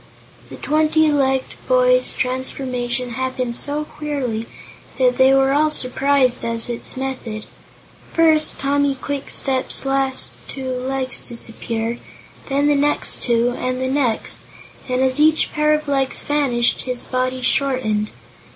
The twenty legged boy's transformation happened so queerly that they were all surprised at its method. First, Tommy Kwikstep's last two legs disappeared; then the next two, and the next, and as each pair of legs vanished his body shortened.